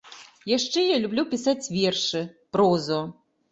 Яшчэ я люблю пісаць вершы, прозу.